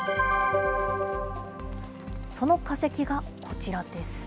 その化石がこちらです。